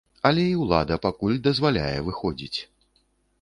Але і ўлада пакуль дазваляе выходзіць.